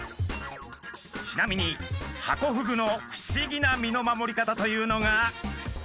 ちなみにハコフグの不思議な身の守り方というのが。